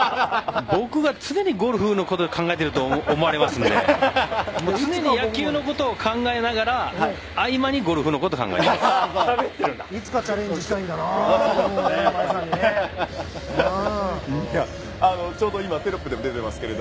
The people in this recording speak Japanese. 僕が常にゴルフのことを考えていると思われますので常に野球のことを考えながら合間にゴルフのことを考えています。